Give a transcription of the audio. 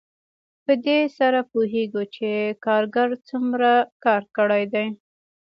په دې سره پوهېږو چې کارګر څومره کار کړی دی